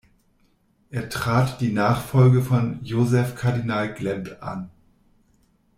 Er trat die Nachfolge von Józef Kardinal Glemp an.